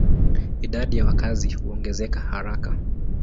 Idadi ya wakazi huongezeka haraka.